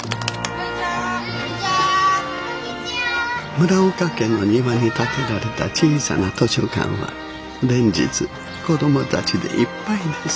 村岡家の庭に建てられた小さな図書館は連日子どもたちでいっぱいです。